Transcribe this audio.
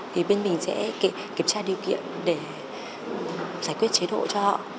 thì bên mình sẽ kiểm tra điều kiện để giải quyết chế độ cho họ